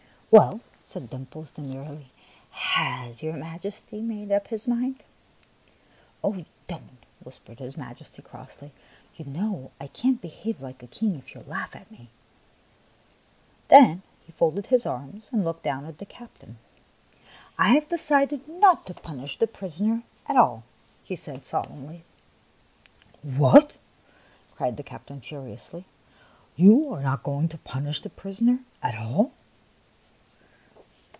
" Well," said Dimples, demurely, " has your Majesty made up his mind ?"" Oh, don't T' whispered his Majesty, crossly. " You know I can't behave like a king if you laugh at me !" Then he folded his arms and looked down at the captain. " I have decided not to punish the prisoner at all," he said solemnly. " What !" cried the captain, furiously. " You are not going to punish the prisoner at all